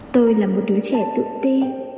tôi là một đứa trẻ tự ti